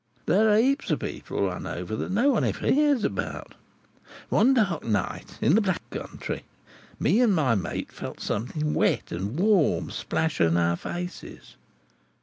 "There are heaps of people run over, that no one ever hears about. One dark night in the Black Country, me and my mate felt something wet and warm splash in our faces.